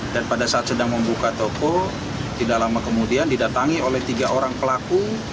dan pada saat sedang membuka toko tidak lama kemudian didatangi oleh tiga orang pelaku